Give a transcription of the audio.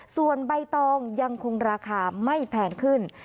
ส่วนใบตองยังคงราคาไม่แพงขึ้น